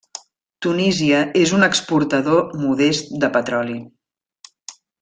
Tunísia és un exportador modest de petroli.